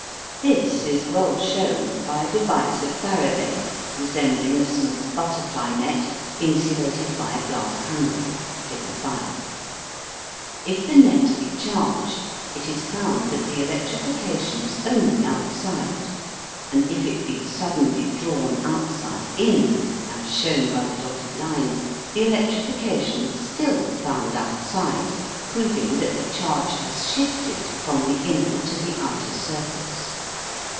This is well shown by a device of Faraday resembling a small butterfly net insulated by a glass handle (fig. 5). If the net be charged it is found that the electrification is only outside, and if it be suddenly drawn outside in, as shown by the dotted line, the electrification is still found outside, proving that the charge has shifted from the inner to the outer surface.